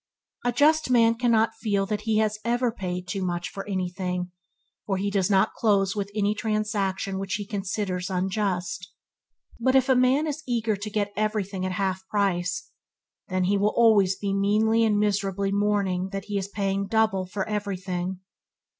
A just man cannot feel that he has ever paid too much for anything, for he does not close with any transaction which he considers unjust; but if a man is eager to get everything at half price, them he will be always meanly and miserably mourning that he is paying double for everything.